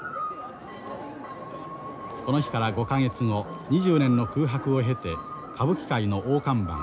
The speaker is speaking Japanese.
この日から５か月後２０年の空白を経て歌舞伎界の大看板